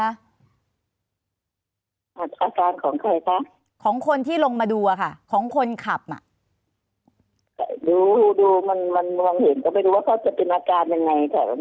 อาการของใครคะของคนที่ลงมาดูอะค่ะของคนขับอ่ะดูดูมันมันมองเห็นก็ไม่รู้ว่าเขาจะเป็นอาการยังไงค่ะ